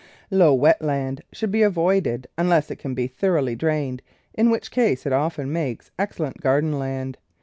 Low, wet land should be avoided unless it can be thoroughly drained, in which case it often makes excellent garden land.